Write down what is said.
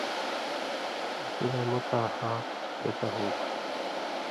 اسی لا مُتاں حاق گتہ ہوہَیں تُھُو۔